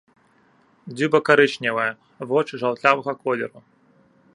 Дзюба карычневая, вочы жаўтлявага колеру.